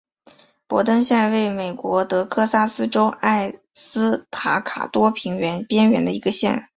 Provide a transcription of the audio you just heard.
博登县位美国德克萨斯州埃斯塔卡多平原边缘的一个县。